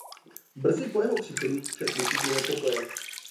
Brzy po jeho příchodu však vypukly nepokoje.